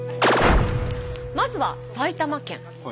まずは埼玉県。